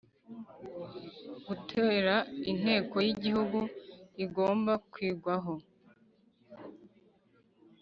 gutora Inteko y Igihugu kigomba kwigwaho